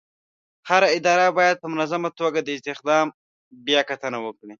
هره اداره باید په منظمه توګه د استخدام بیاکتنه وکړي.